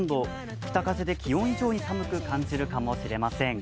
北風で気温以上に寒く感じられるかもしれません。